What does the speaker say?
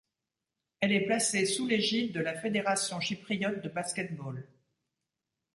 Elle est placée sous l'égide de la Fédération chypriote de basket-ball.